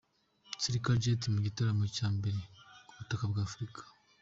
Skyler Jett mu gitaramo cya mbere ku butaka bwa Afurika.